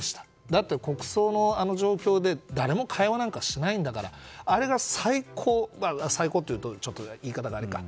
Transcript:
だって、国葬のあの状況で誰も会話なんかしないんだからあれが最高最高というと言い方があれか。